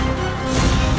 aku akan menangkapmu